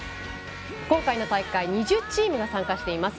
今回の大会は２０チームが参加しています。